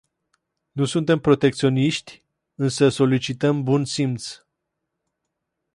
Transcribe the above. Nu suntem protecționiști, însă solicităm bun simț.